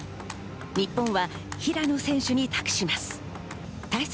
日本は平野選手に託します。